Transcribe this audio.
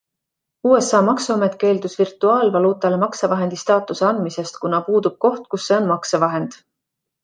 USA maksuamet keeldus virtuaalvaluutale maksevahendi staatuse andmisest, kuna puudub koht, kus see on maksevahend.